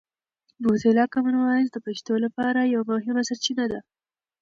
موزیلا کامن وایس د پښتو لپاره یوه مهمه سرچینه ده.